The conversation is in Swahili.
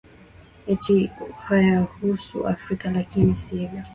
ati hayahusi afrika lakini sivyo